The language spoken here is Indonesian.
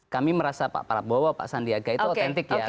kami merasa pak prabowo pak sandiaga itu otentik ya